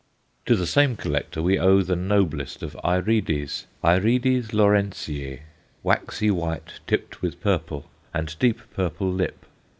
To the same collector we owe the noblest of Aerides, A. Lawrenciæ, waxy white tipped with purple, and deep purple lip.